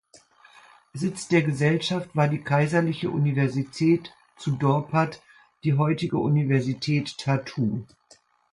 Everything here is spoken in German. Sitz der Gesellschaft war die Kaiserliche Universität zu Dorpat, die heutige Universität Tartu.